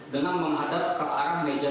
dengan menghadap ke arah meja lima puluh empat